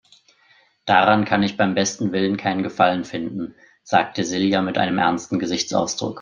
Daran kann ich beim besten Willen keinen Gefallen finden, sagte Silja mit einem ernsten Gesichtsausdruck.